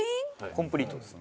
コンプリートです。